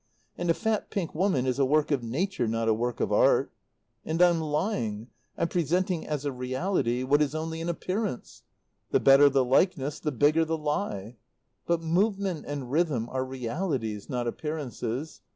And a fat, pink woman is a work of Nature, not a work of art. And I'm lying. I'm presenting as a reality what is only an appearance. The better the likeness the bigger the lie. But movement and rhythm are realities, not appearances.